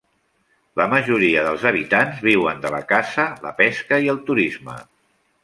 La majoria dels habitants viuen de la caça, la pesca i el turisme.